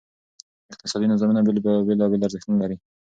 اقتصادي نظامونه بېلابېل ارزښتونه لري.